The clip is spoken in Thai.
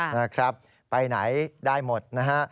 นะครับไปไหนได้หมดนะฮะ